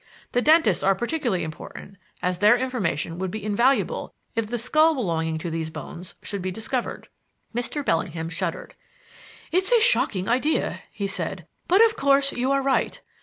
The dentists are particularly important, as their information would be invaluable if the skull belonging to these bones should be discovered." Mr. Bellingham shuddered. "It's a shocking idea," he said, "but, of course you are right.